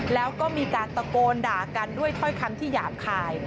แล้วก็มีการตะโกนด่ากันด้วยถ้อยคำที่หยาบคาย